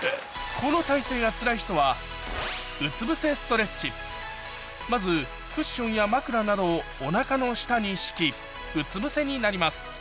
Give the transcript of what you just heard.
この体勢がつらい人はまずクッションや枕などをお腹の下に敷きうつぶせになります